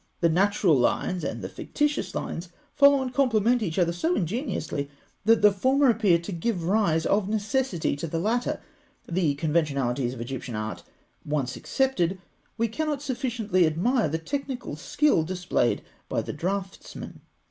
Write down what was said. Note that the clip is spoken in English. The natural lines and the fictitious lines follow and complement each other so ingeniously, that the former appear to give rise of necessity to the latter. The conventionalities of Egyptian art once accepted, we cannot sufficiently admire the technical skill displayed by the draughtsman.